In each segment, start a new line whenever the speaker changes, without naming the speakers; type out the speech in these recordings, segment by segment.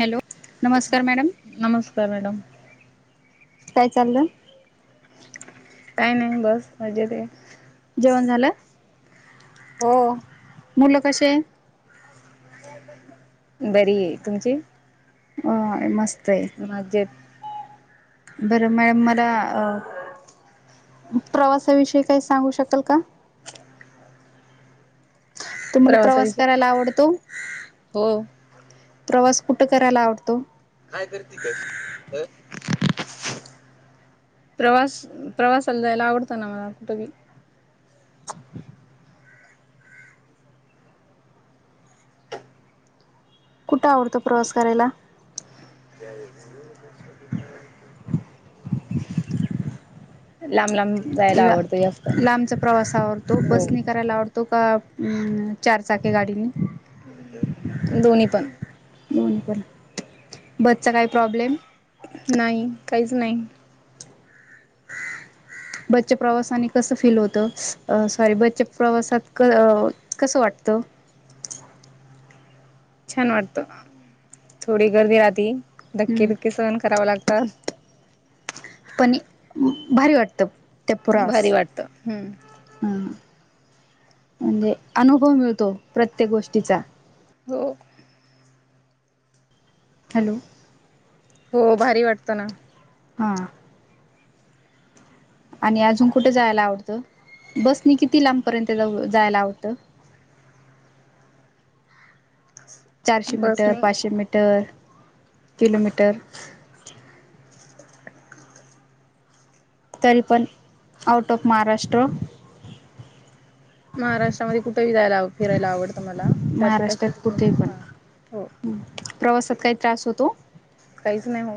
Hello नमस्कार madam
नमस्कार madam
काय चालुए
काही नइ बस मजेत ए
जेवण झालं
हो
मुलं कशेए
बरीए आहे तुमची
हो मस्त आहे
मज्जेत
बरं मॅडम मला अ प्रवासाविषयी काही सांगू शकाल का तुम्हाला प्रवास
प्रवासाविषयी
करायला आवडतो
हो
प्रवास कुठं करायला आवडतो
काय करते ग प्रवास प्रवासाला जायला आवडतो ना मला कुठबी
[unintelligible] कुठं आवडतो प्रवास करायला
लाम लाम
ला लांबचा प्रवास आवडतो
हो
बसनी करायला आवडतो तो का चार चाके गाडीनी
दो्ही पण
दोन बसचा काय प्रॉब्लेम
नाही काहीच नाही
ह बस प्रवासाने कसं फील होतं सॉरी बस प्रवासात कसं वाटत तो
छान वाटत थोडी गर्दी राहती धक्के
हम्म.
दुक्के सहन कराव लागत तर
पण भारी वाटत
भारी वाटतं हम्म
म्हणजे अनुभव मिळतो प्रत्येक गोष्टीचा
हो
हॅलो
हो भारी वाटतं ना
हा आणि अजून कुठे जायला आवडतं बसनी किती लांबपर्यंत जाऊ जायला आवडतं चारशे मीटर
बसने
पाचशे मीटर किलोमीटर
[unintelligible]
तरी पण आउट ऑफ महाराष्ट्र.
महाराष्ट्रामध्ये कुठेही जायला फिरायला आवत.
महाराष्ट्रात कुठे पण
हो
प्रवासात काही त्रास होतो
काहीच नाही हो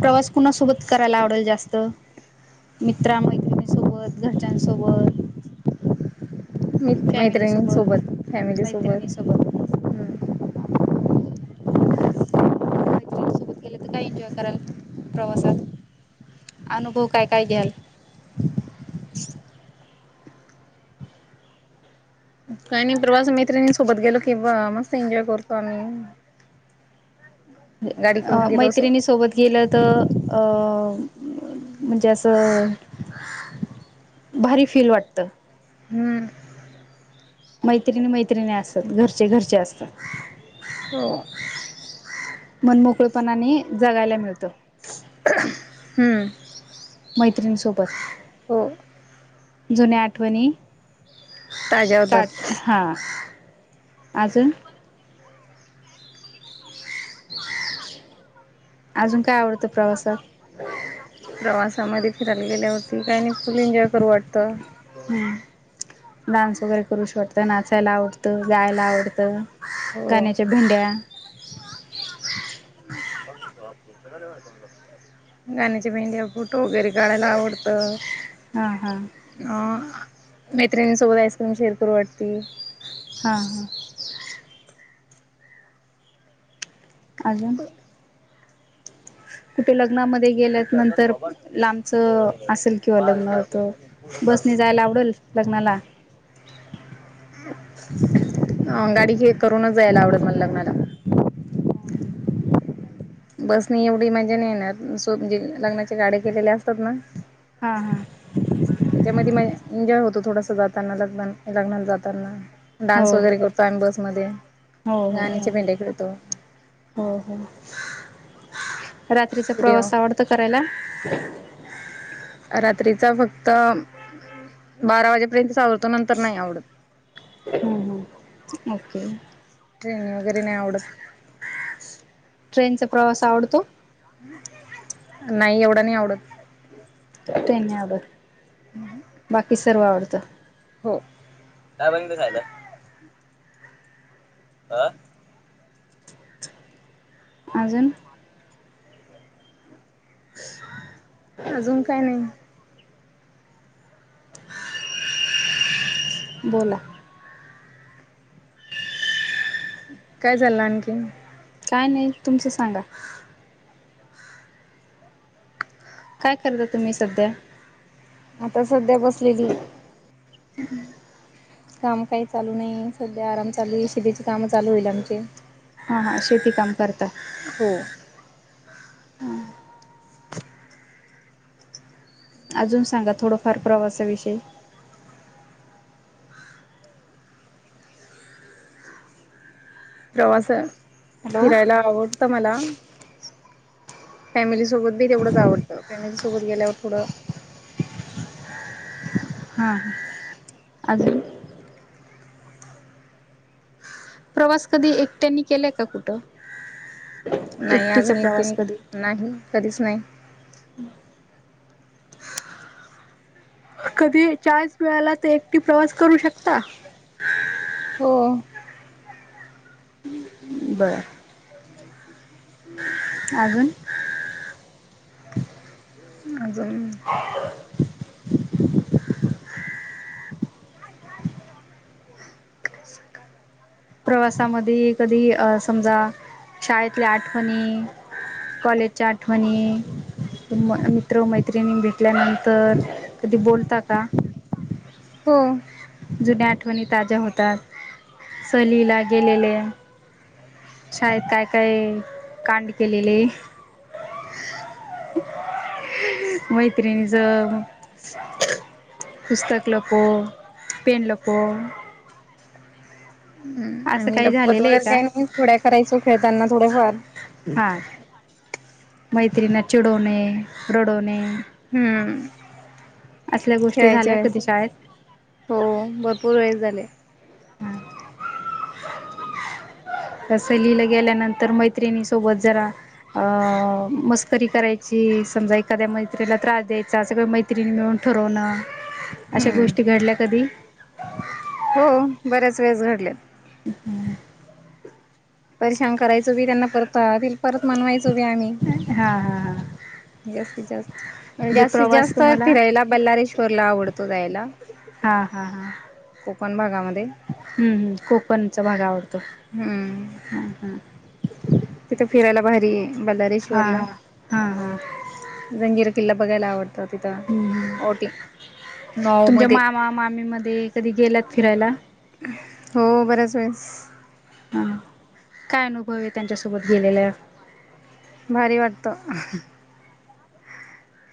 प्रवास कुणासोबत करायला आवडेल जास्त मित्रमैत्रिणीसोबत घरच्यांसोबत
म मैत्रिणींसोबत
फॅमिलीसोबत
फॅमिली सोबत
मैत्रिणीसोबत
हम्
मैत्रिणीसोबत काय एनजॉय कराल प्रवासाात अनुभव काय काय घ्याल
काय नाही प्रवास मैत्रिणी सोबत गेलो किवा मस्त एन्जॉय करतो आम्ही गाडी करून गेलो असो
मैत्रिणी सोबत गेलं तर म्हणजे असं भारी फीली वाटतं
हन
मैत्रिणी मैत्रिणी असतात घरचे घरचे असतात
हो
मनमोकळपणाने जगायला मिळत
हम्म
मैत्रिणीसोबत
हो
जुन्या आठवणी
ताज्या
तात
होतात
हा अजून अजून काय आवडतं प्रवासातं?
त काय आणि फुल एन्जॉय करू वाटत.
डान्स वगैरे करू शकतो नाचायला आवडतं गायला आवडतं
हो
गाण्याच्या भेंड्या- [inaudible]
गाण्याची भेंड्या, फोटो वगैरे काढायला आवडतं.
हां हां
अ मैत्रिणी सोबत आईस्क्रीम शेअर करू वाटती.
हा हा. अजून. कुठे लग्नामध्ये. गेल्या नंतर लांबच असेल किंवा लग्न होत बसने जायला आवडेलं. लग्नाला.
अ गाडी हे करूनच जायला आवडतं मला लग्नाला. बस नाही एवढी मज्या नाही येणार सो म्हणजे लग्नाची - गाड्या केलेल्या असतात ना
हा हा
त्याच्यामध्ये मग एन्जॉय होतो. तो थोडासा जाताना लग्न लग्नाला जातानां. डान्स
हो
वगैरे करतो आम्ही बसमध्ये
हो हो हो
गाण्याचे
हो
भेंड्या खेळतो.
हो हो. रात्रीचा
व्हिडिओ
प्रवास आवडतं करायला.
तरं बारा वाजेपर्यंत आवड तो नंतर नाही आवडतं.
हम्म हम्म ओके.
खेळणी वगैर नाही आवडतं.
ट्रेनचा प्रवास आवडतो.
नाही एवढं नाही आवडतं.
[inaudible]
हम्
बाकी सर्व आवडतं.
हो काय बंद झालं? आ.
अजून, हा.
अजून काय नाही.
बोला.
काय चाललं आणखीनं.
काय नाही तुमच सांगा. काय करता तुम्ही सध्या?
आता सध्या बसलेली.
[inaudible]
काम काही चालू नाही सध्या आराम चालू आहे शेतीचे काम चालू होईल आमचे.
हा हा शेती काम करता.
हो
अजून सांगा थोडंफार प्रवासा विषयी.
प्रवास
हॅलो
फिरायला आवडतं मला. फॅमिलीसोबत बी तेवढंच आवडतं फॅमिली सोबत गेल्यावर थोडं-
हम् ह. प्रवास कधी एकट्यांनी केलायं का कुठं?
नाही
एकटीचा
अजून एकटे
प्रवास कधी
नाही कधीच नाही.
कधी चाळीस वेळाला ते एकटी प्रवास करू शकता.
हो.
बरं. अजून.
अजून सकाल
प्रवासामध्ये कधी अ समजा शाळेतल्या आठवणी कॉलेजच्या आठवणी म मित्र मैत्रिणी भेटल्यानंतर कधी बोलता का
हो
जुन्या आठवणी ताज्या होतात सलीला गेलेले ायेतय काय कांड केलेली मैत्रिणी ज पुस्तक लपो पेन लपो असं
आम्ही
काही
लपत
झालेलं आहे का
वगैरे घन थोड्या करायचो खेळताना थोडफार
मैत्री ना चिडोने रडोने
हम्म
असल्या गोष्टी
खेळायच्या
झाल्या
वेळेस
कधी शाळेत
हो भरपूर वेळे झाले
सलीला गेल्यानंतर मैत्रिणी सोबत जरा अ मस्करी करायची समजा एाद्या मैत्रीला त्रास द्यायचा सगळ मैत्र मिळून ठवण अशा
हम्म
गोष्टी घ ल्या कधी
हो बर्याच वेळेस घडलेत
ह
परशान करायचो बी त्यांना परत परत मानवायचो बी आम्ही
हा हा हा
जास्तीत जास्त म्ह
म्हणजे
जास्तीत
प्रवास
जास्त
तुम्हाला
फिरायला बल्लारेश्वरला आवडतो जायला
ह ह ह््म
कोकण भागामध्ये
कोकणचा त भाग आवडतो ह
हम्म
ह
तिथं फिरायला बाहेारी
हा हा हम् हम्
जंजीर किल्ला बघायला आवडत तिथं
हा
ओटी नऊ
तुमच्या
मध्ये
मामा मामी मध्ये कधी गेलात फिरायला
हो बर्याच वळेस
हा काय अनुभव आहे त्यांच्यासोबत गेलेला
भारी वाटतं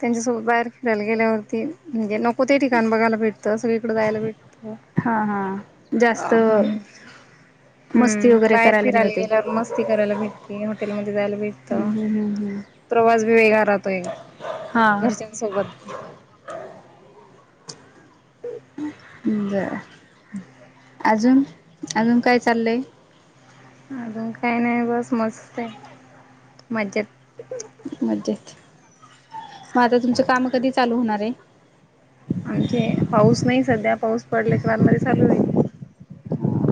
त्यांच्यासोबत बाहेर खेळायला गेल्यावरती म्हणजे न को ते ठिकाण बघायला भेटतं सगळीकडे जायला भेटतं
हा हा
अ
जास्त
हम
मस्ती
हम्म
वगैरे
बाहेर
करायला
फिरायला
मिळते
गेल्यावर मस्ती करायला भेटते हॉटेलमध्येध्ये जायला भेटत
हम्म हम्म हम्म हम्म
प्रवास बी वेगळा राहतोय
हा
घरच्यांसोबत
बर अजून अजून काय चाललंय
अजून काही नाही बस मस्त आहे मज्जेत
मजेत मग आता तुमचं काम कधी चालू होणार आहे
आमचे पाऊस नाही सध्या पाऊस पडल्याच्या बादमध्येध्ये चालू होईल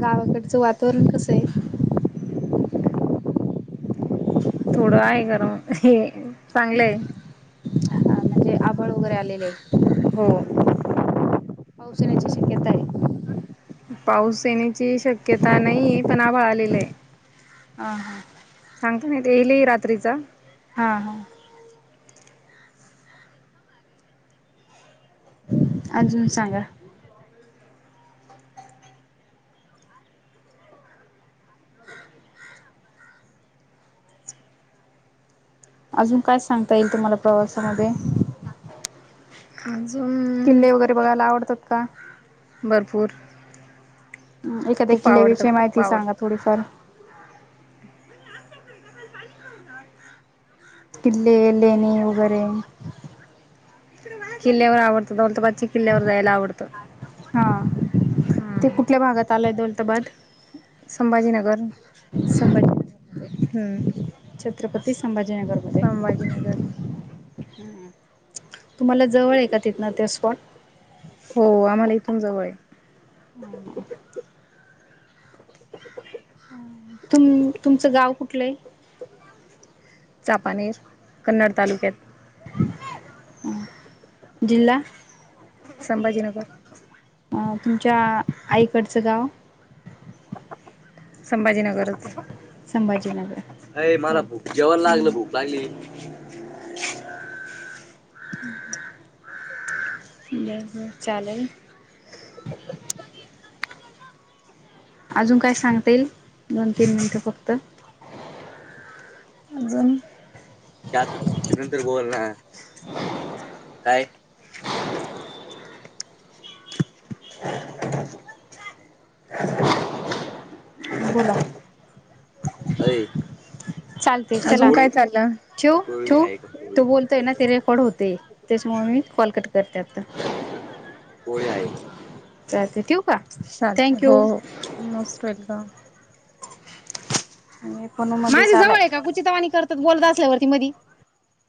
गावाकडचं वातावरण कसं आहे
थोडं आहे कारर हे चांगलंय
हा म्हणजे आभळ वगैरे आले आहे
हो
पाऊसेण्याची शकेत आहे
पाऊस येण्याची शक्यता नाही पण आ बळालेलं आहे
अ हा
सांगता नाही येल रात्रीचा
हा हा अजून सांगा अजून काय सांगता येईल तुम्हाला प्रवासामध्ये
हा
किल्ले वगैरे बघायला आवडतात का
भरपूर
एखाद्या
खूप आवडतं
किल्ल्याविषय माहिती सांगा थोडीफार
म्हण अस नवत
किल्ले ललेणे वगैर
किल्ल्यावर आवडत दनत बचची किल्ल्यावर जायला आवडत
हा ते कुठल्या भागात आलंय दौोलताबाद
संभाजीनगर
सबर
हम्म
छत्रपती संभाजीनगरमध्ये
संभाजीनगर
तुम्हाला जवळ आहे का तिथ ना ते स्पॉट
नाहीतम जय
ह तुम तुमचं गाव कुठलंय
चापानेर कन्नड तालुक्यात
जि्हा
संभाजीनगर
अ तुमच्या आईकडचं गाव
संभाजीनगरच
संभाजीनगर
अय मला भूक जेवण
बर
लागलं भूक लागली [inaudible]
हम्म ब ब चालेल अजून काय सांगता येईल दोन तीन मिनटं फक्त
त नंतर बोल ना काय [inaudible]
बोला
अई
चालते चला ठेव ठेव तो बोलतोय ना ते रेकॉर्ड होते त्याच्यामुळे मी कॉलकट करते आता त्या तू
ल हो हो मोस्ट वेलकम
मी
माझी
फोनमध्येच
जवळ
आलाय.
आहे का कुचितवाणी करतात बोलत असल्यावरती मध